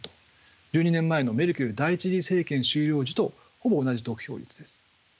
１２年前のメルケル第一次政権終了時とほぼ同じ得票率です。